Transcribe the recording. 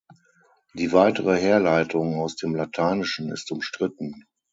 Die weitere Herleitung aus dem Lateinischen ist umstritten.